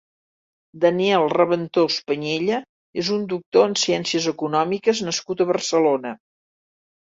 Daniel Raventós Pañella és un doctor en Ciències Econòmiques nascut a Barcelona.